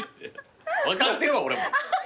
分かってるわ俺も。